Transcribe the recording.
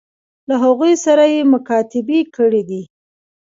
له هغوی سره یې مکاتبې کړي دي.